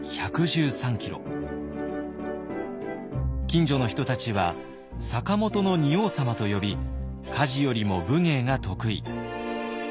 近所の人たちは「坂本の仁王さま」と呼び家事よりも武芸が得意。